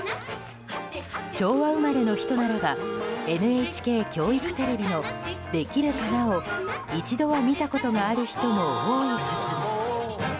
昭和生まれの人ならばＮＨＫ教育テレビの「できるかな」を一度は見たことがある人も多いはず。